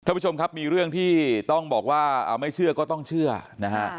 ท่านผู้ชมครับมีเรื่องที่ต้องบอกว่าไม่เชื่อก็ต้องเชื่อนะฮะ